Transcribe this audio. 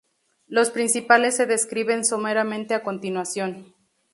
Los principales se describen someramente a continuación.